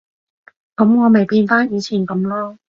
噉我咪變返以前噉囉